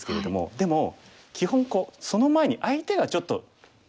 でも基本その前に相手がちょっとすごいとこきた。